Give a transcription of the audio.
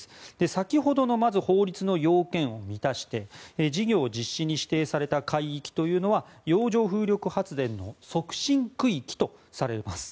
先ほどのまず法律の要件を満たして事業実施に指定された海域というのは洋上風力発電の促進区域とされます。